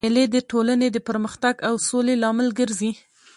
مېلې د ټولني د پرمختګ او سولي لامل ګرځي.